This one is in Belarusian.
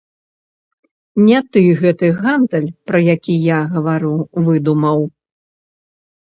Не ты гэты гандаль, пра які я гавару, выдумаў.